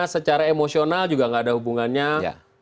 secara emosional juga nggak ada hubungannya